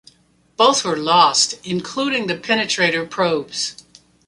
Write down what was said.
Both were lost, including the penetrator probes.